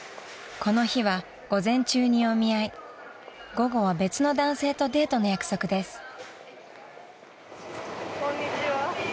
［この日は午前中にお見合い午後は別の男性とデートの約束です］